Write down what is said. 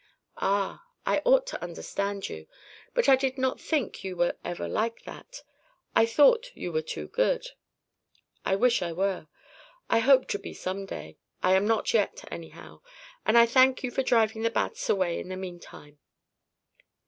"Ah! I ought to understand you. But I did not think you were ever like that. I thought you were too good." "I wish I were. I hope to be some day. I am not yet, anyhow. And I thank you for driving the bats away in the meantime."